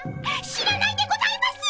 知らないでございます！